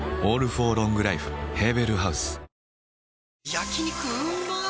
焼肉うまっ